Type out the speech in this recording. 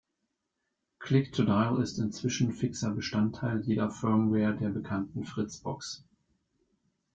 Click to Dial ist inzwischen fixer Bestandteil jeder Firmware der bekannten Fritzbox.